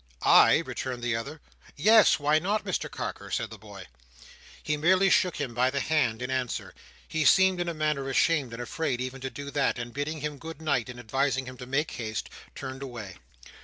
"I!" returned the other. "Yes. Why not, Mr Carker?" said the boy. He merely shook him by the hand in answer; he seemed in a manner ashamed and afraid even to do that; and bidding him good night, and advising him to make haste, turned away.